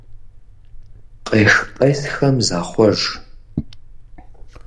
Къех-къесхэм захъуэж.